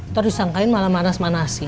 terus disangkain malah manas manasi